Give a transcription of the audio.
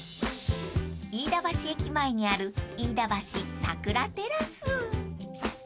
［飯田橋駅前にある］